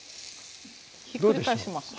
ひっくり返します。